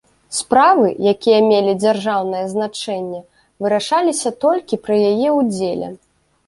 Справы, якія мелі дзяржаўнае значэнне, вырашаліся толькі пры яе ўдзеле.